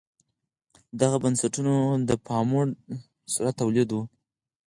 دغو بنسټونو د پاموړ ثروت تولیداوه.